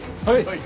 はい。